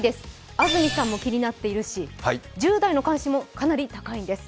安住さんも気になっているし、１０代の関心もかなり高いんです。